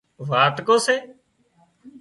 واٽڪو سي